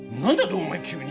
お前急に。